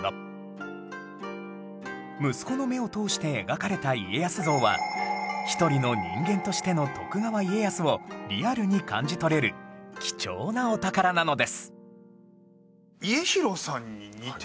息子の目を通して描かれた家康像は一人の人間としての徳川家康をリアルに感じ取れる貴重なお宝なのです